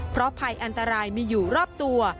เพราะภัยอันตรายมีอยู่รอบตัว